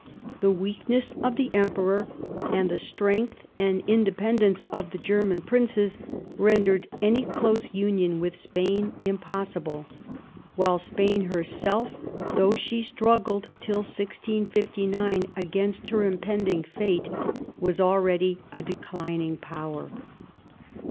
The weakness of the Emperor and the strength and inde pendence of the German princes rendered any close union with Spain impossible, while Spain herself, tho'ugh she struggled till 1659 against her impending fate, was already a declining power.